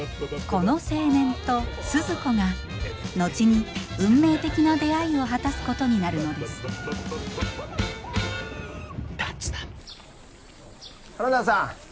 この青年とスズ子が後に運命的な出会いを果たすことになるのです花田さん